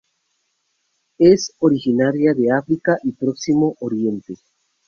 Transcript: Es originaria de África y Próximo Oriente.